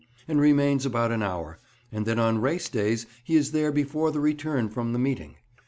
and remains about an hour, and that on race days he is there before the return from the meeting.